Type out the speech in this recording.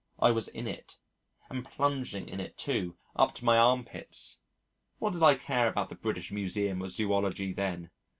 I was in it, and plunging in it, too, up to my armpits. What did I care about the British Museum or Zoology then?